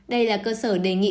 đây là cơ sở đề nghị